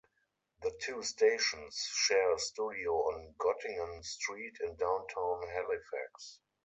The two stations share a studio on Gottingen Street in Downtown Halifax.